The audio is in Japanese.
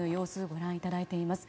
ご覧いただいています。